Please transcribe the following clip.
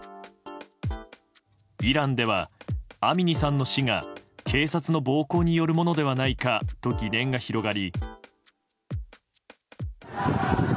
イランでは、アミニさんの死が警察の暴行によるものではないかと疑念が広がり。